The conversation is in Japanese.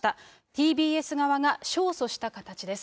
ＴＢＳ側が勝訴した形です。